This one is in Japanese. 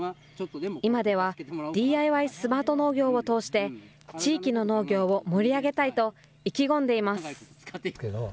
今ではＤＩＹスマート農業を通して、地域の農業を盛り上げたいと意気込んでいます。